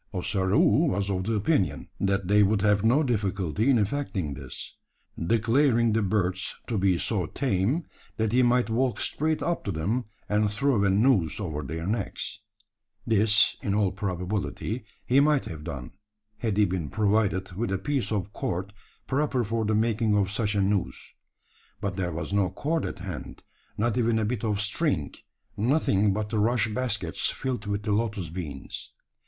Ossaroo was of the opinion, that they would have no difficulty in effecting this; declaring the birds to be so tame, that he might walk straight up to them, and throw a noose over their necks. This, in all probability, he might have done, had he been provided with a piece of cord proper for the making of such a noose. But there was no cord at hand not even a bit of string nothing but the rush baskets filled with the lotus beans.